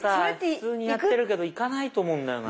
普通にやってるけどいかないと思うんだよな。